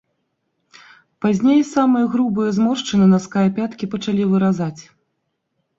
Пазней самыя грубыя зморшчыны наска і пяткі пачалі выразаць.